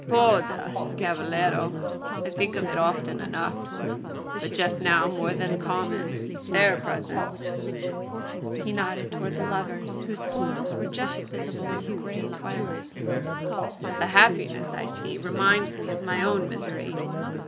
"Por Dios, cavallero! I think of it often enough; but just now more than common. Their presence " he nodded towards the lovers, whose forms were just visible in the grey twilight, "the happiness I see reminds me of my own misery.